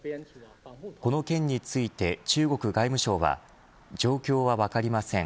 この件について中国外務省は状況は分かりません。